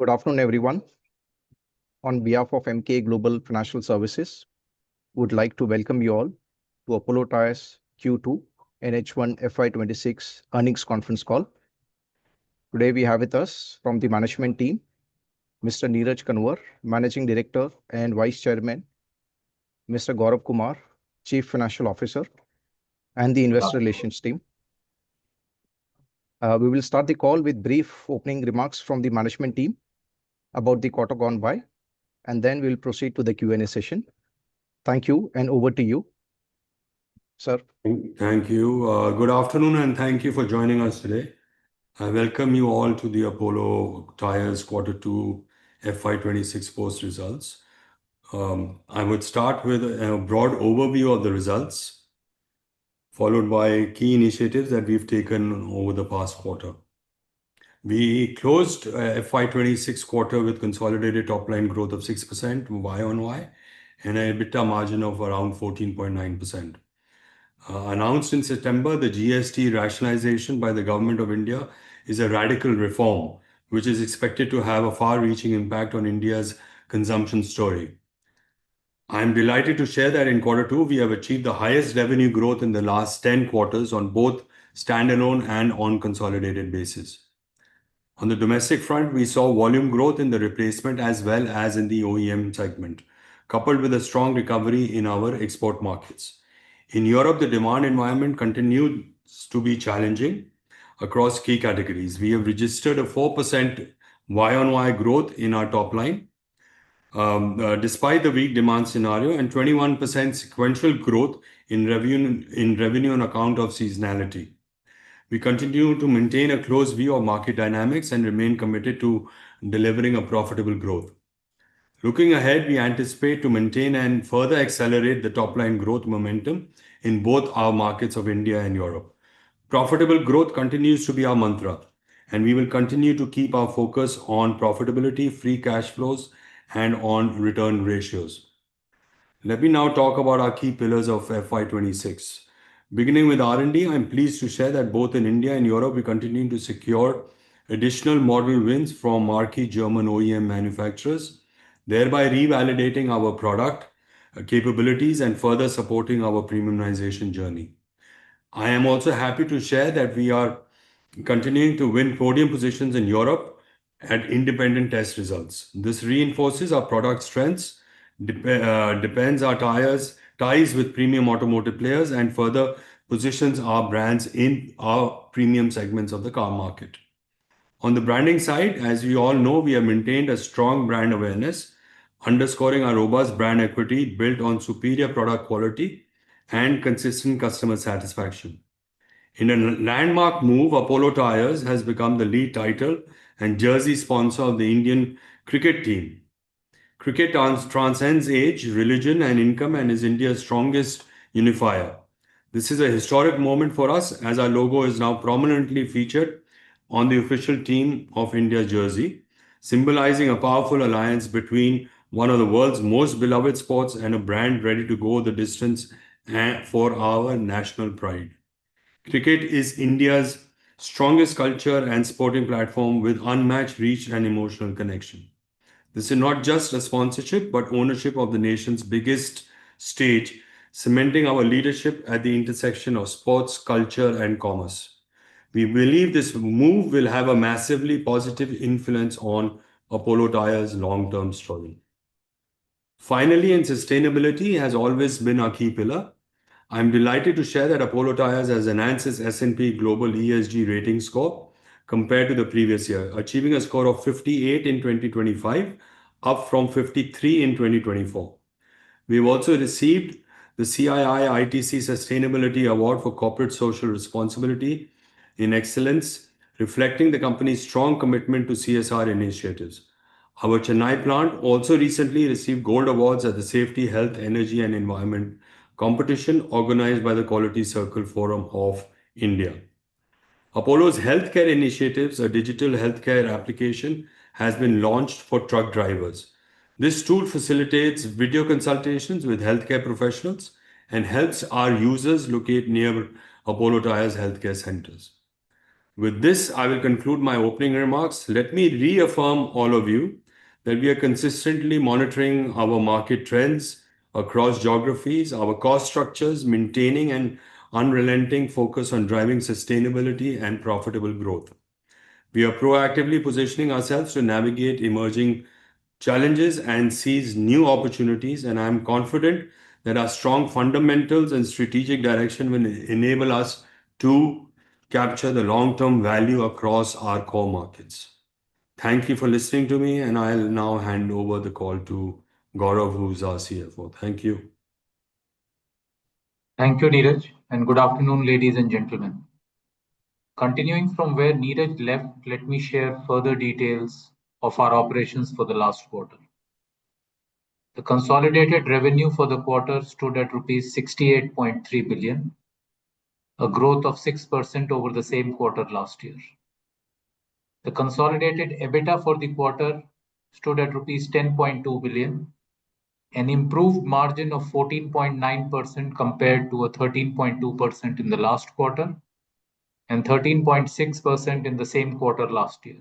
Good afternoon, everyone. On behalf of MK Global Financial Services, we'd like to welcome you all to Apollo Tyres Q2 NH1 FY2026 Earnings Conference Call. Today, we have with us from the management team, Mr. Neeraj Kanwar, Managing Director and Vice Chairman, Mr. Gaurav Kumar, Chief Financial Officer, and the Investor Relations team. We will start the call with brief opening remarks from the management team about the quarter gone by, and then we'll proceed to the Q&A session. Thank you, and over to you, sir. Thank you. Good afternoon, and thank you for joining us today. I welcome you all to the Apollo Tyres Quarter 2 FY2026 post results. I would start with a broad overview of the results, followed by key initiatives that we've taken over the past quarter. We closed FY2026 quarter with consolidated top-line growth of 6% Year-on-Year and an EBITDA margin of around 14.9%. Announced in September, the GST rationalization by the Government of India is a radical reform, which is expected to have a far-reaching impact on India's consumption story. I'm delighted to share that in Quarter 2, we have achieved the highest revenue growth in the last 10 quarters on both standalone and on consolidated basis. On the domestic front, we saw volume growth in the replacement as well as in the OEM segment, coupled with a strong recovery in our export markets. In Europe, the demand environment continues to be challenging across key categories. We have registered a 4% Year-on-Year growth in our top line, despite the weak demand scenario, and 21% sequential growth in revenue on account of seasonality. We continue to maintain a close view of market dynamics and remain committed to delivering a profitable growth. Looking ahead, we anticipate to maintain and further accelerate the top-line growth momentum in both our markets of India and Europe. Profitable growth continues to be our mantra, and we will continue to keep our focus on profitability, free cash flows, and on return ratios. Let me now talk about our key pillars of fiscal year 2026. Beginning with R&D, I'm pleased to share that both in India and Europe, we continue to secure additional model wins from marquee German OEM manufacturers, thereby revalidating our product capabilities and further supporting our premiumization journey. I am also happy to share that we are continuing to win podium positions in Europe at independent test results. This reinforces our product strengths, ties with premium automotive players, and further positions our brands in our premium segments of the car market. On the branding side, as you all know, we have maintained a strong brand awareness, underscoring our robust brand equity built on superior product quality and consistent customer satisfaction. In a landmark move, Apollo Tyres has become the lead title and jersey sponsor of the Indian cricket team. Cricket transcends age, religion, and income and is India's strongest unifier. This is a historic moment for us, as our logo is now prominently featured on the official team of India's jersey, symbolizing a powerful alliance between one of the world's most beloved sports and a brand ready to go the distance for our national pride. Cricket is India's strongest culture and sporting platform with unmatched reach and emotional connection. This is not just a sponsorship, but ownership of the nation's biggest stage, cementing our leadership at the intersection of sports, culture, and commerce. We believe this move will have a massively positive influence on Apollo Tyres' long-term struggle. Finally, sustainability has always been our key pillar. I'm delighted to share that Apollo Tyres has enhanced its S&P Global ESG rating score compared to the previous year, achieving a score of 58 in 2025, up from 53 in 2024. We've also received the CII ITC Sustainability Award for Corporate Social Responsibility in Excellence, reflecting the company's strong commitment to CSR initiatives. Our Chennai plant also recently received gold awards at the Safety, Health, Energy, and Environment competition organized by the Quality Circle Forum of India. Apollo's healthcare initiatives, a digital healthcare application, has been launched for truck drivers. This tool facilitates video consultations with healthcare professionals and helps our users locate nearby Apollo Tyres' healthcare centers. With this, I will conclude my opening remarks. Let me reaffirm all of you that we are consistently monitoring our market trends across geographies, our cost structures, maintaining an unrelenting focus on driving sustainability and profitable growth. We are proactively positioning ourselves to navigate emerging challenges and seize new opportunities, and I'm confident that our strong fundamentals and strategic direction will enable us to capture the long-term value across our core markets. Thank you for listening to me, and I'll now hand over the call to Gaurav, who is our CFO. Thank you. Thank you, Neeraj, and good afternoon, ladies and gentlemen. Continuing from where Neeraj left, let me share further details of our operations for the last quarter. The consolidated revenue for the quarter stood at rupees 68.3 billion, a growth of 6% over the same quarter last year. The consolidated EBITDA for the quarter stood at rupees 10.2 billion, an improved margin of 14.9% compared to a 13.2% in the last quarter and 13.6% in the same quarter last year.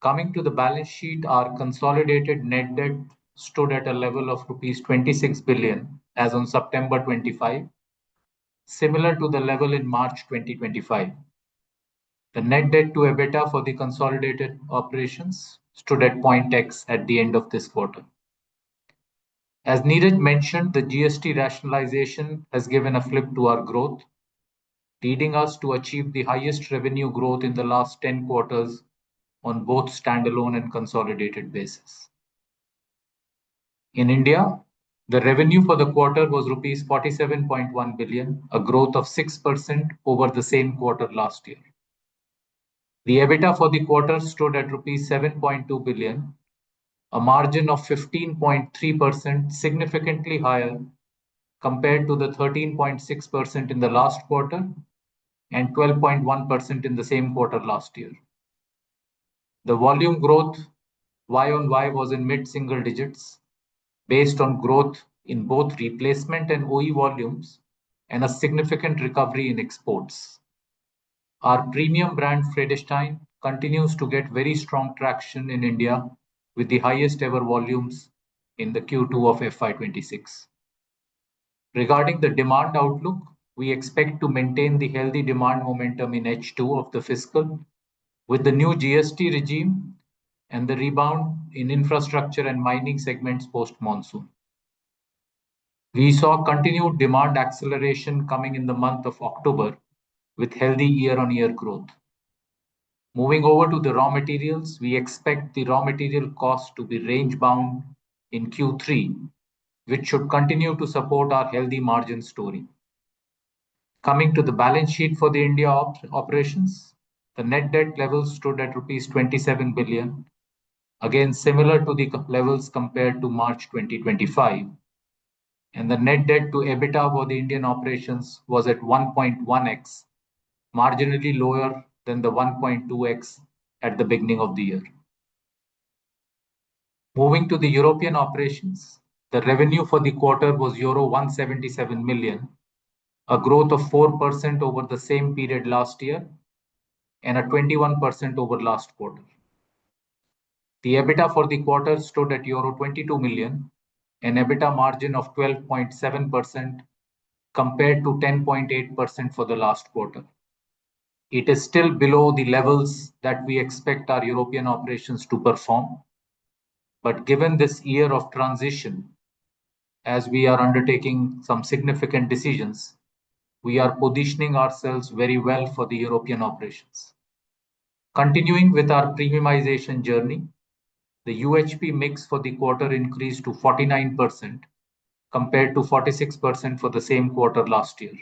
Coming to the Balance Sheet, our consolidated net debt stood at a level of rupees 26 billion as of September 25, similar to the level in March 2025. The net debt to EBITDA for the consolidated operations stood at point X at the end of this quarter. As Neeraj mentioned, the GST rationalization has given a flip to our growth, leading us to achieve the highest revenue growth in the last 10 quarters on both standalone and consolidated basis. In India, the revenue for the quarter was rupees 47.1 billion, a growth of 6% over the same quarter last year. The EBITDA for the quarter stood at 7.2 billion rupees, a margin of 15.3%, significantly higher compared to the 13.6% in the last quarter and 12.1% in the same quarter last year. The volume growth Year-on-Year was in mid-single digits, based on growth in both replacement and OE volumes and a significant recovery in exports. Our premium brand, Vredestein, continues to get very strong traction in India, with the highest-ever volumes in the Q2 of FY2026. Regarding the demand outlook, we expect to maintain the healthy demand momentum in H2 of the fiscal with the new GST regime and the rebound in infrastructure and mining segments post monsoon. We saw continued demand acceleration coming in the month of October, with healthy Year-on-Year growth. Moving over to the raw materials, we expect the raw material cost to be range-bound in Q3, which should continue to support our healthy margin story. Coming to the balance sheet for the India operations, the net debt level stood at rupees 27 billion, again similar to the levels compared to March 2025, and the net debt to EBITDA for the Indian operations was at 1.1x, marginally lower than the 1.2x at the beginning of the year. Moving to the European operations, the revenue for the quarter was euro 177 million, a growth of 4% over the same period last year and a 21% over last quarter. The EBITDA for the quarter stood at euro 22 million, an EBITDA margin of 12.7% compared to 10.8% for the last quarter. It is still below the levels that we expect our European operations to perform, but given this year of transition, as we are undertaking some significant decisions, we are positioning ourselves very well for the European operations. Continuing with our premiumization journey, the UHP mix for the quarter increased to 49% compared to 46% for the same quarter last year.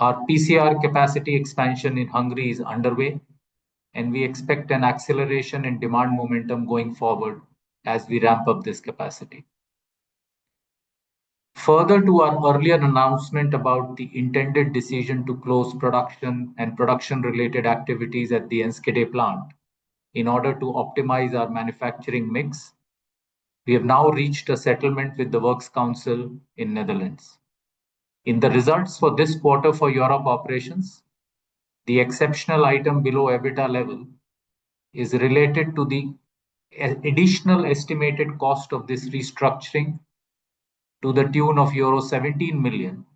Our PCR capacity expansion in Hungary is underway, and we expect an acceleration in demand momentum going forward as we ramp up this capacity. Further to our earlier announcement about the intended decision to close production and production-related activities at the Enschede plant in order to optimize our manufacturing mix, we have now reached a settlement with the Works Council in Netherlands. In the results for this quarter for Europe operations, the exceptional item below EBITDA level is related to the additional estimated cost of this restructuring to the tune of euro 17 million,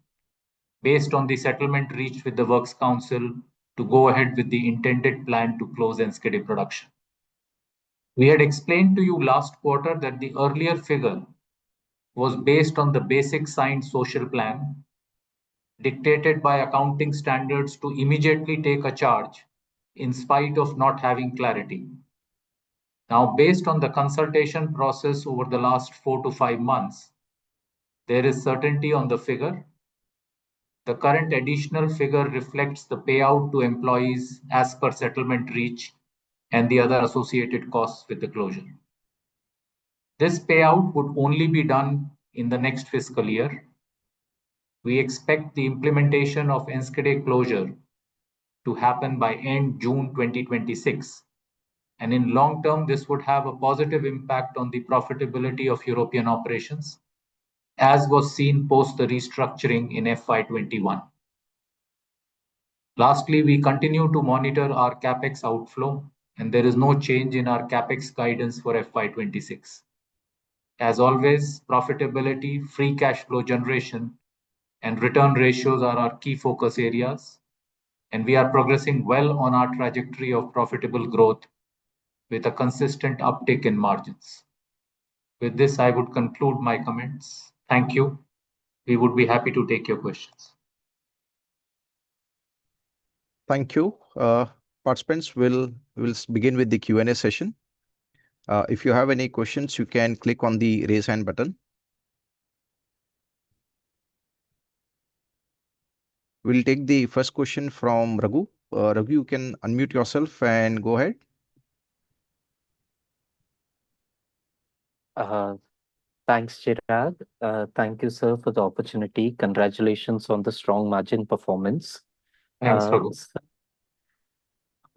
based on the settlement reached with the Works Council to go ahead with the intended plan to close Enschede production. We had explained to you last quarter that the earlier figure was based on the basic signed social plan dictated by accounting standards to immediately take a charge in spite of not having clarity. Now, based on the consultation process over the last four to five months, there is certainty on the figure. The current additional figure reflects the payout to employees as per settlement reached and the other associated costs with the closure. This payout would only be done in the next fiscal year. We expect the implementation of Enschede closure to happen by end June 2026, and in long term, this would have a positive impact on the profitability of European operations, as was seen post the restructuring in FY2021. Lastly, we continue to monitor our CapEx outflow, and there is no change in our CapEx guidance for FY2026. As always, profitability, free cash flow generation, and return ratios are our key focus areas, and we are progressing well on our trajectory of profitable growth with a consistent uptick in margins. With this, I would conclude my comments. Thank you. We would be happy to take your questions. Thank you. Participants, we'll begin with the Q&A session. If you have any questions, you can click on the raise hand button. We'll take the first question from Raghu. Raghu, you can unmute yourself and go ahead. Thanks, Chirag. Thank you, sir, for the opportunity. Congratulations on the strong margin performance. Thanks, Raghu.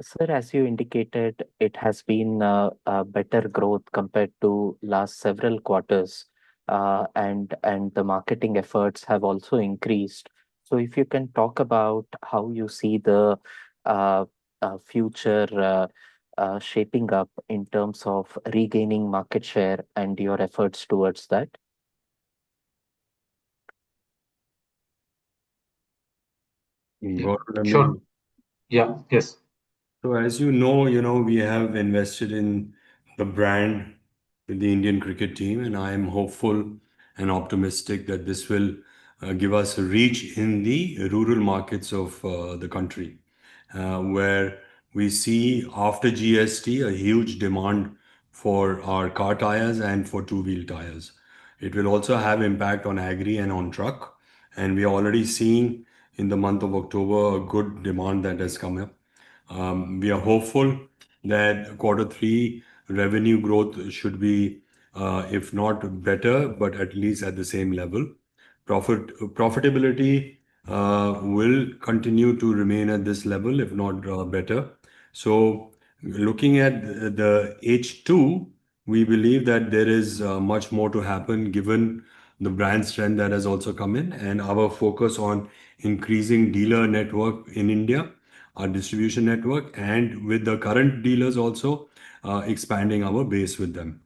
Sir, as you indicated, it has been a better growth compared to last several quarters, and the marketing efforts have also increased. If you can talk about how you see the future shaping up in terms of regaining market share and your efforts towards that. Sure. Yes. As you know, we have invested in the brand with the Indian cricket team, and I am hopeful and optimistic that this will give us a reach in the rural markets of the country, where we see after GST a huge demand for our car tyres and for two-wheel tyres. It will also have impact on agri and on truck, and we are already seeing in the month of October a good demand that has come up. We are hopeful that quarter three revenue growth should be, if not better, at least at the same level. Profitability will continue to remain at this level, if not better. Looking at the H2, we believe that there is much more to happen given the brand strength that has also come in, and our focus on increasing dealer network in India, our distribution network, and with the current dealers also expanding our base with them.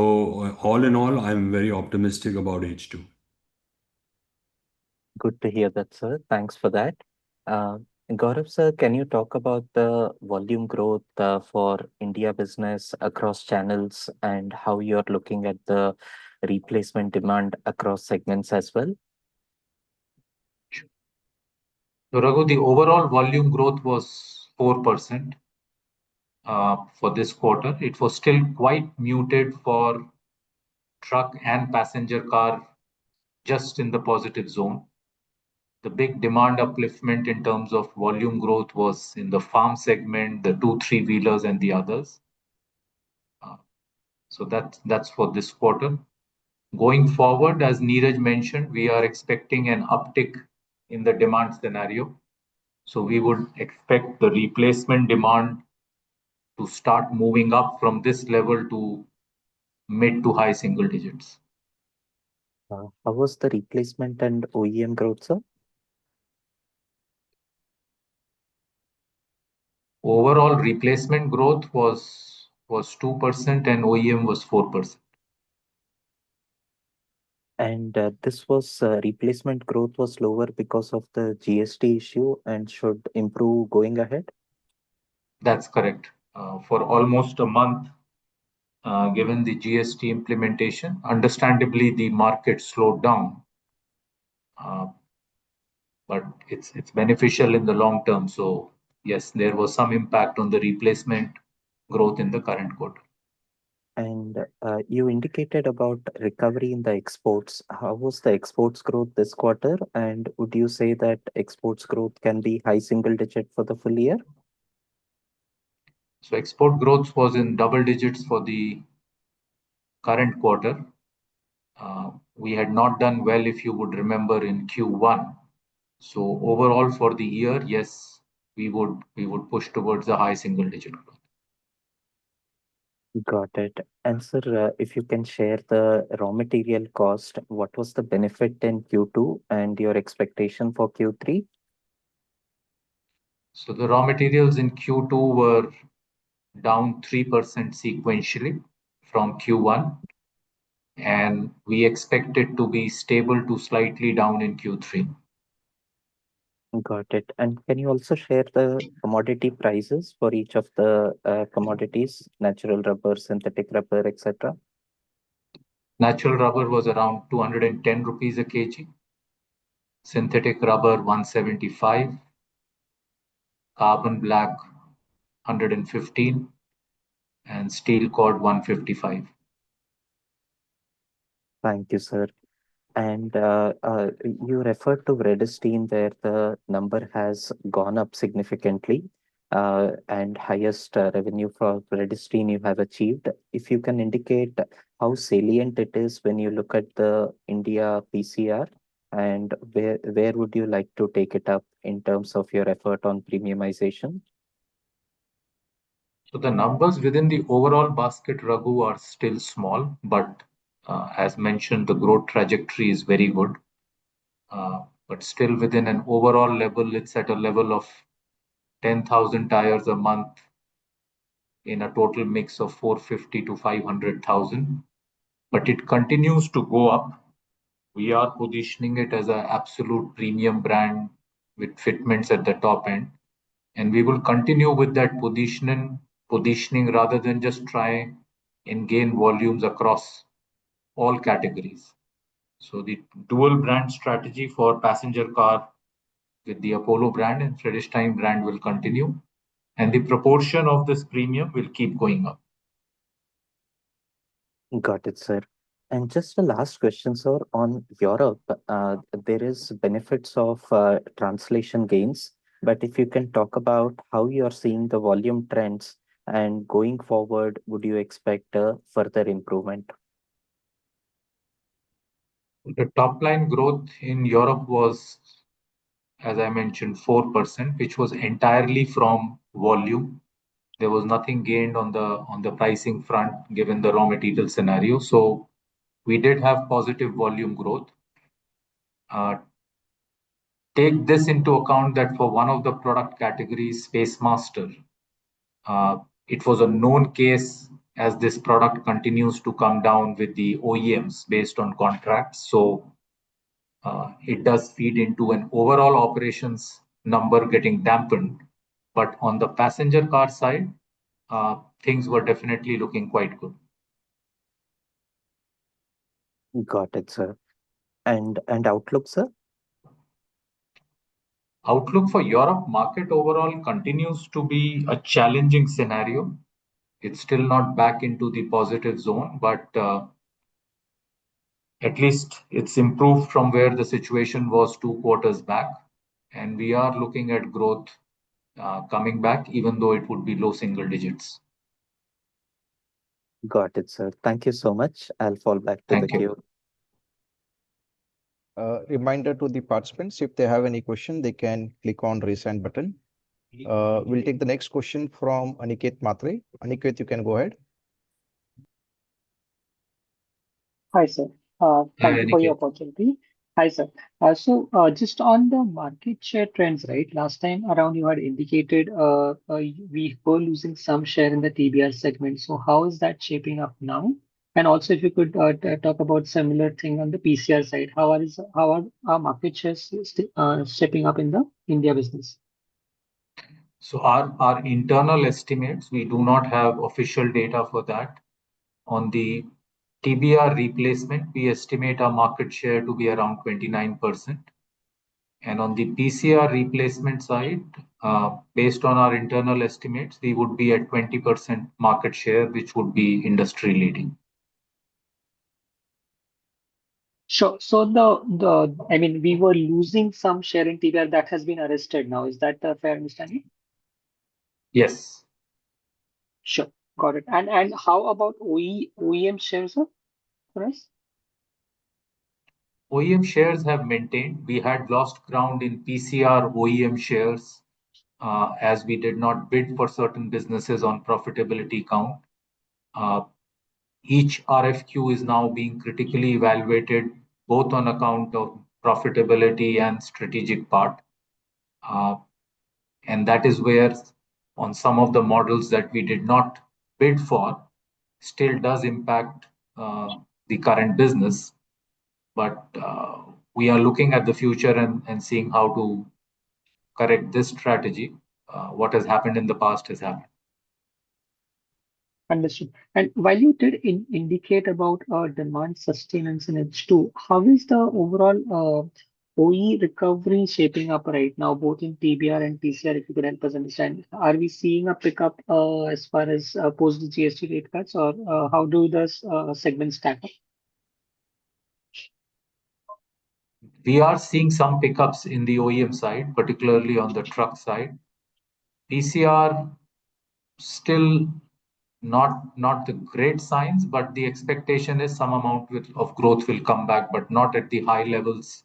All in all, I'm very optimistic about H2. Good to hear that, sir. Thanks for that. Gaurav, sir, can you talk about the volume growth for India business across channels and how you're looking at the replacement demand across segments as well? Sure. Raghu, the overall volume growth was 4% for this quarter. It was still quite muted for truck and passenger car, just in the positive zone. The big demand upliftment in terms of volume growth was in the farm segment, the two-three wheelers, and the others. That is for this quarter. Going forward, as Neeraj mentioned, we are expecting an uptick in the demand scenario. We would expect the replacement demand to start moving up from this level to mid to high single digits. How was the replacement and OEM growth, sir? Overall, replacement growth was 2%, and OEM was 4%. This replacement growth was lower because of the GST issue and should improve going ahead? That's correct. For almost a month, given the GST implementation, understandably, the market slowed down, but it's beneficial in the long term. Yes, there was some impact on the replacement growth in the current quarter. You indicated about recovery in the exports. How was the exports growth this quarter, and would you say that exports growth can be high single digit for the full year? Export growth was in double digits for the current quarter. We had not done well, if you would remember, in Q1. Overall for the year, yes, we would push towards a high single digit growth. Got it. Sir, if you can share the raw material cost, what was the benefit in Q2 and your expectation for Q3? The raw materials in Q2 were down 3% sequentially from Q1, and we expected to be stable to slightly down in Q3. Got it. Can you also share the commodity prices for each of the commodities: natural rubber, synthetic rubber, etc.? Natural rubber was around 210 rupees a kg, synthetic rubber 175, carbon black 115, and steel cord 155. Thank you, sir. You referred to Vredestein where the number has gone up significantly and highest revenue for Vredestein you have achieved. If you can indicate how salient it is when you look at the India PCR, and where would you like to take it up in terms of your effort on premiumization? The numbers within the overall basket, Raghu, are still small, but as mentioned, the growth trajectory is very good. Still, within an overall level, it is at a level of 10,000 tires a month in a total mix of 450,000-500,000. It continues to go up. We are positioning it as an absolute premium brand with fitments at the top end, and we will continue with that positioning rather than just try and gain volumes across all categories. The dual brand strategy for passenger car with the Apollo brand and Vredestein brand will continue, and the proportion of this premium will keep going up. Got it, sir. Just a last question, sir, on Europe. There are benefits of translation gains, but if you can talk about how you are seeing the volume trends, and going forward, would you expect further improvement? The top line growth in Europe was, as I mentioned, 4%, which was entirely from volume. There was nothing gained on the pricing front given the raw material scenario. We did have positive volume growth. Take this into account that for one of the product categories, Space Master, it was a known case as this product continues to come down with the OEMs based on contracts. It does feed into an overall operations number getting dampened, but on the passenger car side, things were definitely looking quite good. Got it, sir. Outlook, sir? Outlook for Europe market overall continues to be a challenging scenario. It's still not back into the positive zone, but at least it's improved from where the situation was two quarters back, and we are looking at growth coming back, even though it would be low single digits. Got it, sir. Thank you so much. I'll fall back to the queue. Thank you. Reminder to the participants, if they have any question, they can click on the raise hand button. We'll take the next question from Aniket Mahtre. Aniket, you can go ahead. Hi, sir. Thank you for your opportunity. So just on the market share trends, right, last time around you had indicated we were losing some share in the TBR segment. How is that shaping up now? Also, if you could talk about a similar thing on the PCR side, how are our market shares stepping up in the India business? Our internal estimates, we do not have official data for that. On the TBR replacement, we estimate our market share to be around 29%. On the PCR replacement side, based on our internal estimates, we would be at 20% market share, which would be industry-leading. Sure. So I mean, we were losing some share in TBR that has been arrested now. Is that a fair understanding? Yes. Sure. Got it. How about OEM shares, sir, for us? OEM shares have maintained. We had lost ground in PCR OEM shares as we did not bid for certain businesses on profitability count. Each RFQ is now being critically evaluated both on account of profitability and strategic part. That is where, on some of the models that we did not bid for, still does impact the current business. We are looking at the future and seeing how to correct this strategy. What has happened in the past has happened. Understood. While you did indicate about demand sustenance in H2, how is the overall OE recovery shaping up right now, both in TBR and PCR, if you could help us understand? Are we seeing a pickup as far as post-GST rate cuts, or how do those segments stack up? We are seeing some pickups in the OEM side, particularly on the truck side. PCR, still not the great signs, but the expectation is some amount of growth will come back, but not at the high levels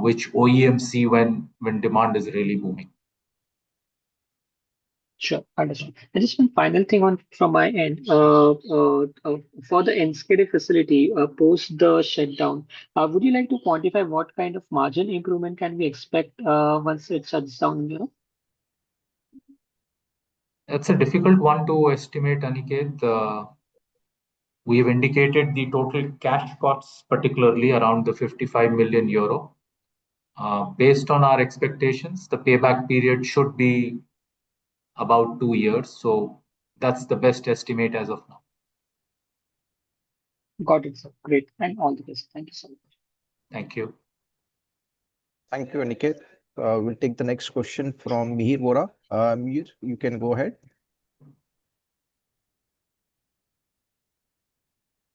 which OEMs see when demand is really booming. Sure. Understood. Just one final thing from my end. For the NSKD facility post the shutdown, would you like to quantify what kind of margin improvement can we expect once it shuts down in Europe? That's a difficult one to estimate, Aniket. We've indicated the total cash pots, particularly around 55 million euro. Based on our expectations, the payback period should be about two years. So that's the best estimate as of now. Got it, sir. Great. All the best. Thank you so much. Thank you. Thank you, Aniket. We'll take the next question from Mihir Vora. Mihir, you can go ahead.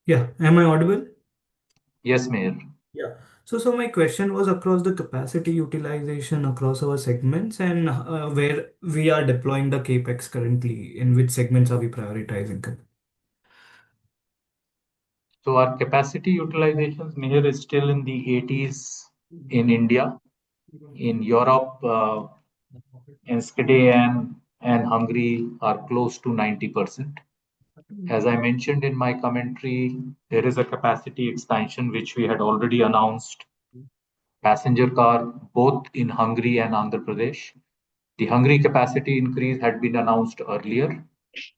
Yeah. Am I audible? Yes, Mihir. Yeah. So my question was across the capacity utilization across our segments and where we are deploying the CapEx currently, in which segments are we prioritizing? Our capacity utilization, Mihir, is still in the 80s in India. In Europe, Netherlands and Hungary are close to 90%. As I mentioned in my commentary, there is a capacity expansion which we had already announced, passenger car, both in Hungary and Andhra Pradesh. The Hungary capacity increase had been announced earlier,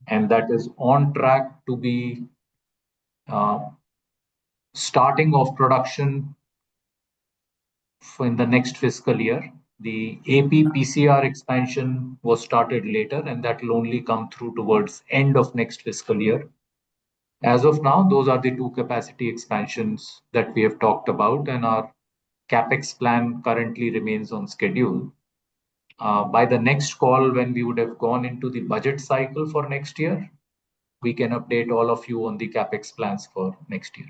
and that is on track to be starting of production in the next fiscal year. The Andhra Pradesh PCR expansion was started later, and that will only come through towards the end of next fiscal year. As of now, those are the two capacity expansions that we have talked about, and our CapEx plan currently remains on schedule. By the next call, when we would have gone into the budget cycle for next year, we can update all of you on the CapEx plans for next year.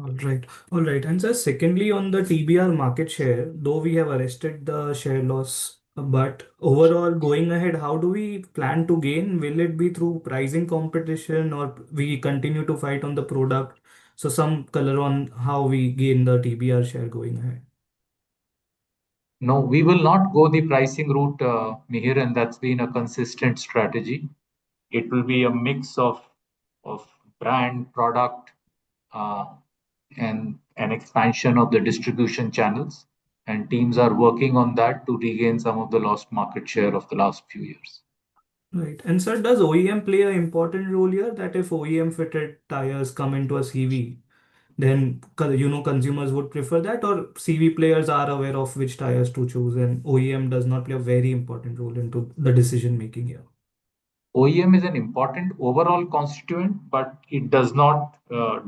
All right. All right. Sir, secondly, on the TBR market share, though we have arrested the share loss, but overall going ahead, how do we plan to gain? Will it be through pricing competition, or will we continue to fight on the product? Some color on how we gain the TBR share going ahead. No, we will not go the pricing route, Mihir, and that's been a consistent strategy. It will be a mix of brand, product, and expansion of the distribution channels. Teams are working on that to regain some of the lost market share of the last few years. Right. And sir, does OEM play an important role here? That if OEM-fitted tires come into a CV, then consumers would prefer that, or CV players are aware of which tires to choose, and OEM does not play a very important role in the decision-making here? OEM is an important overall constituent, but it does not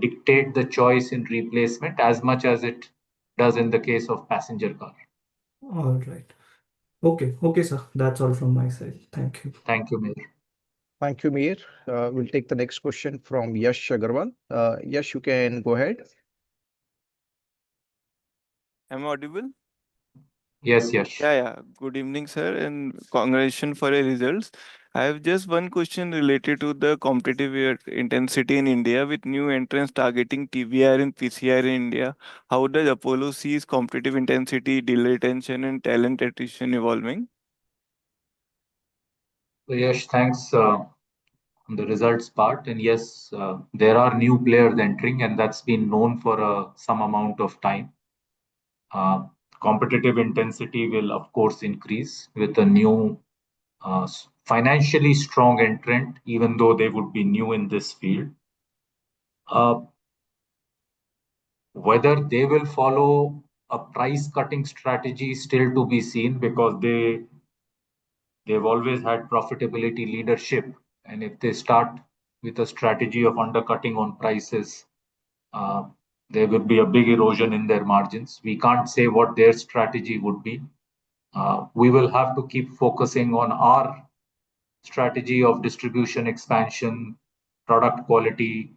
dictate the choice in replacement as much as it does in the case of passenger car. All right. Okay. Okay, sir. That's all from my side. Thank you. Thank you, Mihir. Thank you, Mihir. We'll take the next question from Yash Agarwal. Yash, you can go ahead. Am I audible? Yes, Yash. Yeah, yeah. Good evening, sir, and congratulations for your results. I have just one question related to the competitive intensity in India with new entrants targeting TBR and PCR in India. How does Apollo see its competitive intensity, dealer tension, and talent attrition evolving? Yash, thanks on the results part. Yes, there are new players entering, and that's been known for some amount of time. Competitive intensity will, of course, increase with a new financially strong entrant, even though they would be new in this field. Whether they will follow a price-cutting strategy is still to be seen because they've always had profitability leadership, and if they start with a strategy of undercutting on prices, there would be a big erosion in their margins. We can't say what their strategy would be. We will have to keep focusing on our strategy of distribution expansion, product quality,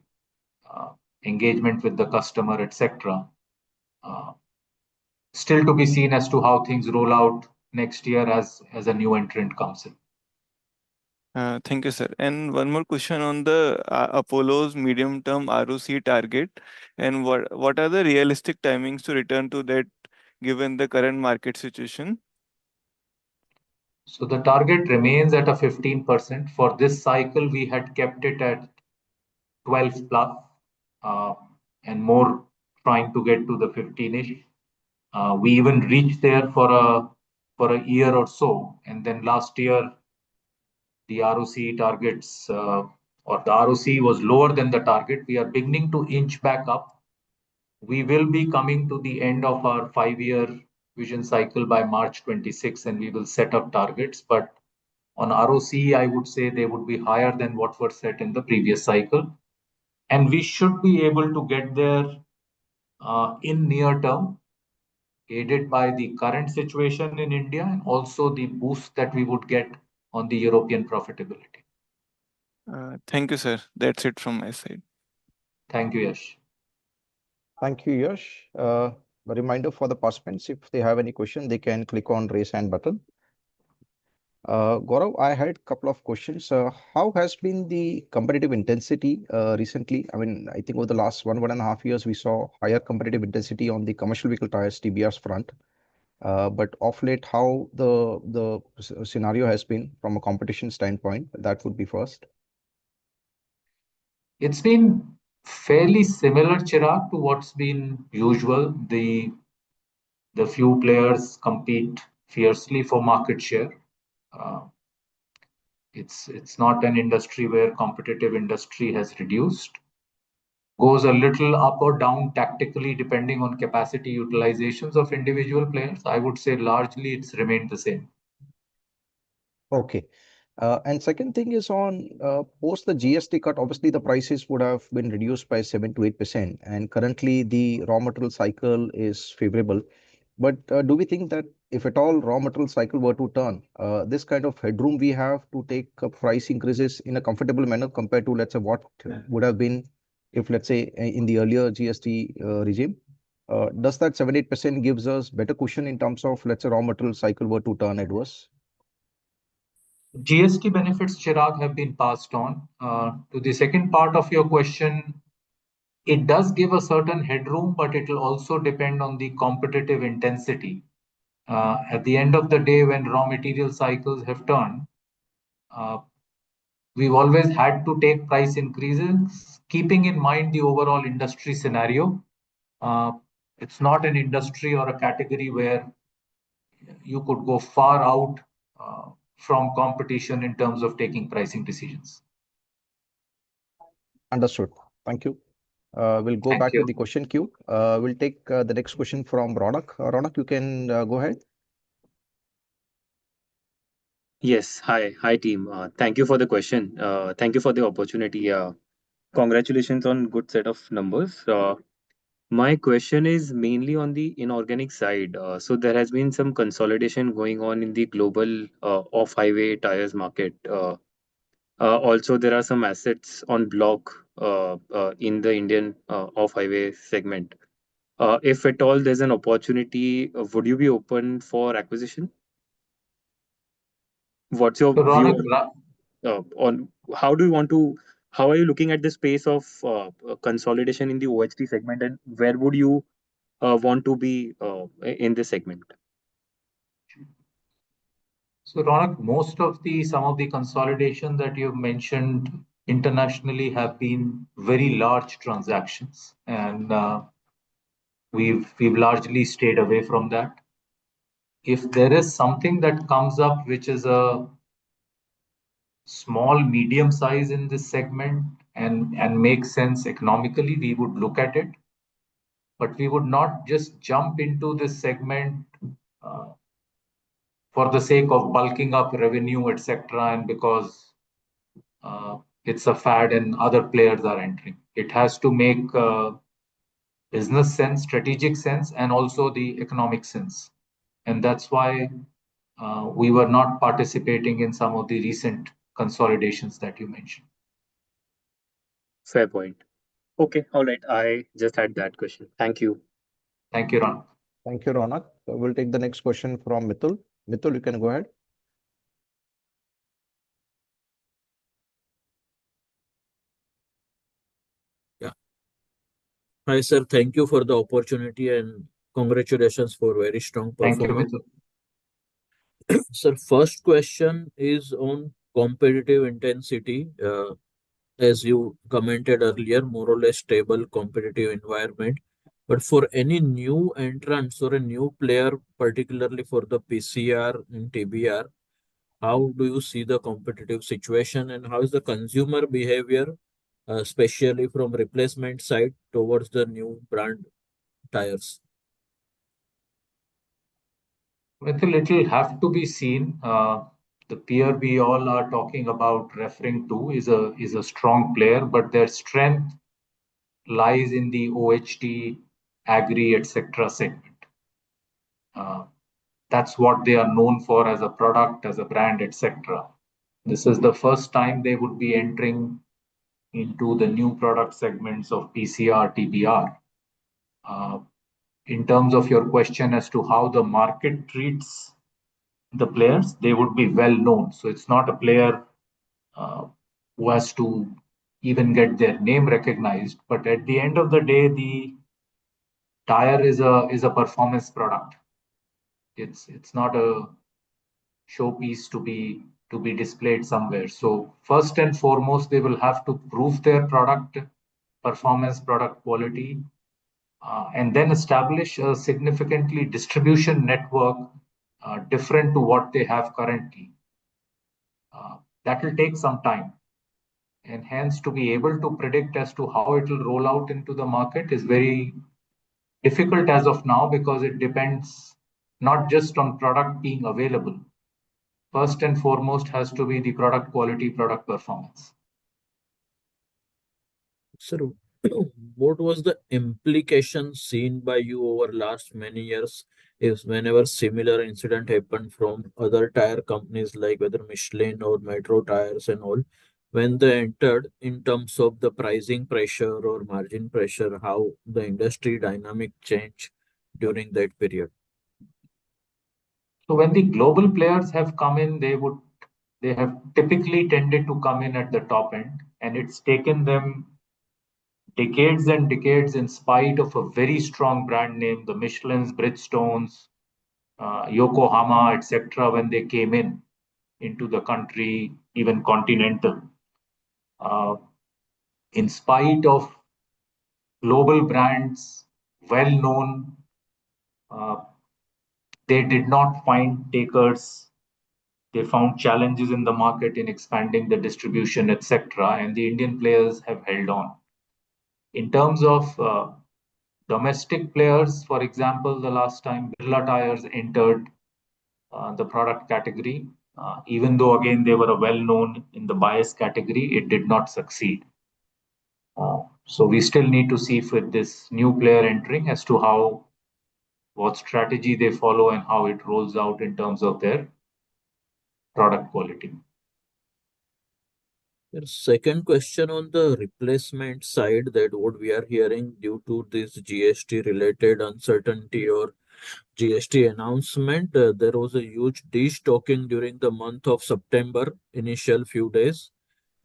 engagement with the customer, etc. Still to be seen as to how things roll out next year as a new entrant comes in. Thank you, sir. One more question on Apollo's medium-term ROC target. What are the realistic timings to return to that given the current market situation? The target remains at 15%. For this cycle, we had kept it at 12-plus and more trying to get to the 15-ish. We even reached there for a year or so. Last year, the ROC targets or the ROC was lower than the target. We are beginning to inch back up. We will be coming to the end of our five-year vision cycle by March 2026, and we will set up targets. On ROC, I would say they would be higher than what were set in the previous cycle. We should be able to get there in the near term, aided by the current situation in India and also the boost that we would get on the European profitability. Thank you, sir. That's it from my side. Thank you, Yash. Thank you, Yash. A reminder for the participants, if they have any question, they can click on raise hand button. Gaurav, I had a couple of questions. How has been the competitive intensity recently? I mean, I think over the last one, one and a half years, we saw higher competitive intensity on the commercial vehicle tyres TBRs front. But off late, how the scenario has been from a competition standpoint, that would be first. It's been fairly similar, Chirag, to what's been usual. The few players compete fiercely for market share. It's not an industry where competitive intensity has reduced. Goes a little up or down tactically depending on capacity utilizations of individual players. I would say largely it's remained the same. Okay. Second thing is on post the GST cut, obviously, the prices would have been reduced by 7-8%. Currently, the raw material cycle is favorable. Do we think that if at all raw material cycle were to turn, this kind of headroom we have to take price increases in a comfortable manner compared to, let's say, what would have been if, let's say, in the earlier GST regime? Does that 7-8% give us better cushion in terms of, let's say, raw material cycle were to turn at worse? GST benefits, Chirag, have been passed on. To the second part of your question, it does give a certain headroom, but it will also depend on the competitive intensity. At the end of the day, when raw material cycles have turned, we've always had to take price increases keeping in mind the overall industry scenario. It's not an industry or a category where you could go far out from competition in terms of taking pricing decisions. Understood. Thank you. We'll go back to the question queue. We'll take the next question from Ronak. Ronak, you can go ahead. Yes. Hi, team. Thank you for the question. Thank you for the opportunity. Congratulations on a good set of numbers. My question is mainly on the inorganic side. There has been some consolidation going on in the global off-highway tires market. Also, there are some assets on block in the Indian off-highway segment. If at all there's an opportunity, would you be open for acquisition? What's your view? Ronak, how do you want to, how are you looking at the space of consolidation in the OHT segment, and where would you want to be in this segment? Ronak, most of some of the consolidation that you've mentioned internationally have been very large transactions, and we've largely stayed away from that. If there is something that comes up which is a small, medium size in this segment and makes sense economically, we would look at it. We would not just jump into this segment for the sake of bulking up revenue, etc., because it's a fad and other players are entering. It has to make business sense, strategic sense, and also the economic sense. That is why we were not participating in some of the recent consolidations that you mentioned. Fair point. Okay. All right. I just had that question. Thank you. Thank you, Ronak. Thank you, Ronak. We'll take the next question from Mithil. Mithil, you can go ahead. Yeah. Hi sir. Thank you for the opportunity and congratulations for very strong performance. Thank you, Mithil. Sir, first question is on competitive intensity. As you commented earlier, more or less stable competitive environment. For any new entrants or a new player, particularly for the PCR and TBR, how do you see the competitive situation and how is the consumer behavior, especially from replacement side towards the new brand tires? Mithil, it will have to be seen. The peer we all are talking about, referring to, is a strong player, but their strength lies in the OHT, agri, etc. segment. That's what they are known for as a product, as a brand, etc. This is the first time they would be entering into the new product segments of PCR, TBR. In terms of your question as to how the market treats the players, they would be well known. It is not a player who has to even get their name recognized. At the end of the day, the tire is a performance product. It is not a showpiece to be displayed somewhere. First and foremost, they will have to prove their product performance, product quality, and then establish a significantly distribution network different to what they have currently. That will take some time. Hence, to be able to predict as to how it will roll out into the market is very difficult as of now because it depends not just on product being available. First and foremost has to be the product quality, product performance. Sir, what was the implication seen by you over the last many years whenever similar incidents happened from other tire companies like whether Michelin or Metro Tyres and all, when they entered in terms of the pricing pressure or margin pressure, how the industry dynamic changed during that period? When the global players have come in, they have typically tended to come in at the top end, and it has taken them decades and decades in spite of a very strong brand name, the Michelin, Bridgestone, Yokohama, etc., when they came into the country, even Continental. In spite of global brands well known, they did not find takers. They found challenges in the market in expanding the distribution, etc., and the Indian players have held on. In terms of domestic players, for example, the last time Birla Tyres entered the product category, even though again, they were well known in the bias category, it did not succeed. We still need to see with this new player entering as to what strategy they follow and how it rolls out in terms of their product quality. Second question on the replacement side, that what we are hearing due to this GST-related uncertainty or GST announcement, there was a huge destocking during the month of September, initial few days,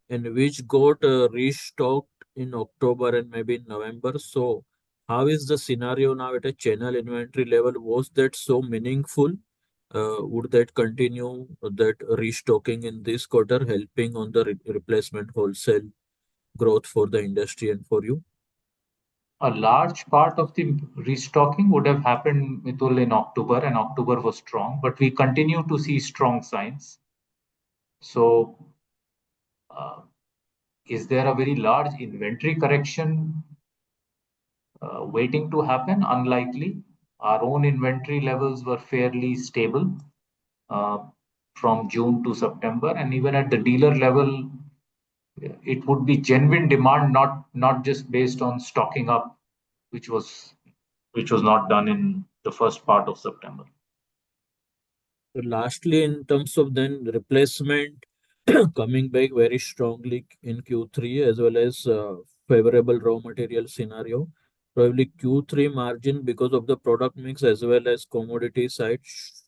and which got restocked in October and maybe in November. How is the scenario now at a channel inventory level? Was that so meaningful? Would that continue that restocking in this quarter helping on the replacement wholesale growth for the industry and for you? A large part of the restocking would have happened, Mithil, in October, and October was strong. We continue to see strong signs. Is there a very large inventory correction waiting to happen? Unlikely. Our own inventory levels were fairly stable from June to September. Even at the dealer level, it would be genuine demand, not just based on stocking up, which was not done in the first part of September. Lastly, in terms of then replacement coming back very strongly in Q3 as well as favorable raw material scenario, probably Q3 margin because of the product mix as well as commodity sides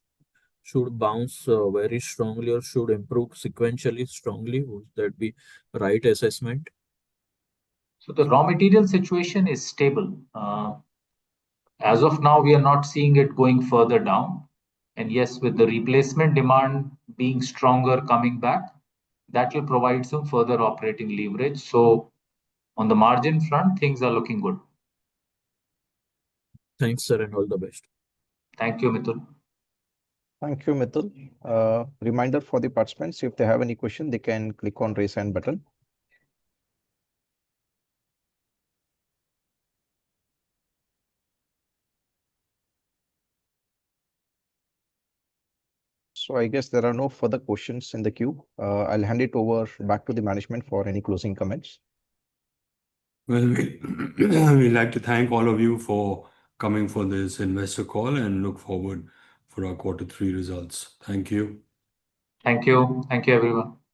should bounce very strongly or should improve sequentially strongly. Would that be the right assessment? The raw material situation is stable. As of now, we are not seeing it going further down. Yes, with the replacement demand being stronger coming back, that will provide some further operating leverage. On the margin front, things are looking good. Thanks, sir, and all the best. Thank you, Mithil. Thank you, Mithil. Reminder for the participants, if they have any question, they can click on the raise hand button. I guess there are no further questions in the queue. I'll hand it over back to the management for any closing comments. We'd like to thank all of you for coming for this investor call and look forward for our quarter three results. Thank you. Thank you. Thank you, everyone.